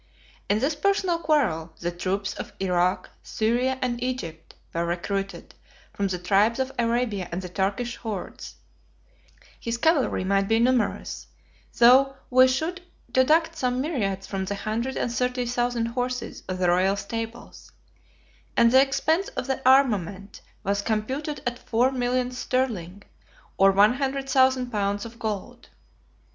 In this personal quarrel, the troops of Irak, Syria, and Egypt, were recruited from the tribes of Arabia and the Turkish hordes; his cavalry might be numerous, though we should deduct some myriads from the hundred and thirty thousand horses of the royal stables; and the expense of the armament was computed at four millions sterling, or one hundred thousand pounds of gold.